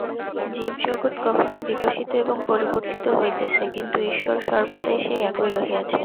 জীব-জগৎ কখনও বিকশিত এবং পরিবর্তিত হইতেছে, কিন্তু ঈশ্বর সর্বদাই সেই একই রহিয়াছেন।